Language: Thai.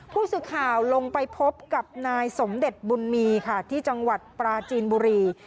ผู้สื่อข่าวลงไปพบกับนายสมเด็จบุญมีค่ะที่จังหวัดปราจีนบุรี